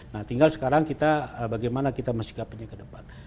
nah tinggal sekarang bagaimana kita mencikapinya ke depan